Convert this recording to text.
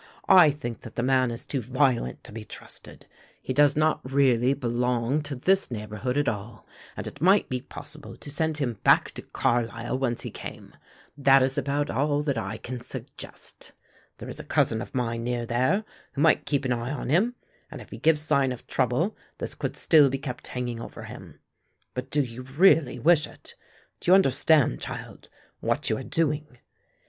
I think that the man is too violent to be trusted. He does not really belong to this neighbourhood at all and it might be possible to send him back to Carlisle whence he came. That is about all that I can suggest. There is a cousin of mine near there who might keep an eye on him, and if he gives sign of trouble this could still be kept hanging over him. But do you really wish it? Do you understand, child, what you are doing?"